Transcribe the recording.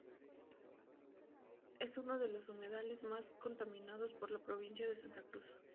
Es uno de los humedales más contaminados de la Provincia de Santa Cruz.